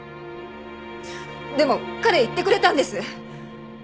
でも彼言ってくれたんです。